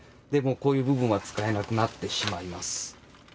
もうこういう部分は使えなくなってしまいます。